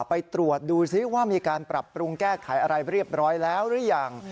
ไปตรวจดูซิว่ามีการปรับปรุงแก้ไขอะไรเรียบร้อยแล้วหรือยัง